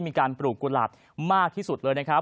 ปลูกกุหลาบมากที่สุดเลยนะครับ